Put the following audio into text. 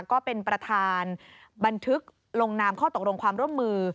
ก็เป็นประธานบันทึกลงนามข้อตกลงความร่วมมือ